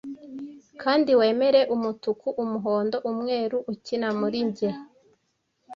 Kandi wemere umutuku, umuhondo, umweru, ukina muri njye,